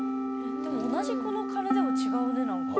でも同じこの鐘でも違うね何か。